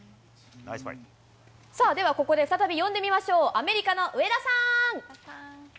さあ、ではここで再び呼んでみましょう、アメリカの上田さん。